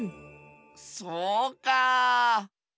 そうかあ！